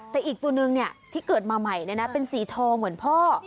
แต่อีกตัวนึงที่เกิดมาใหม่เป็นสีทองเหมือนพ่อ